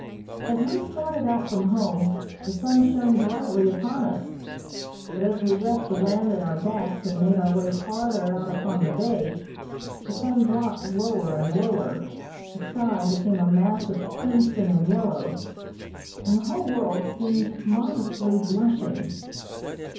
As we started out from home the sun shone brightly upon us, but as we left the land at our backs, and made our way farther out upon the bay, the sun dropped lower and lower, the sky became a mass of crimson and yellow, and the whole world seemed modestly blushing.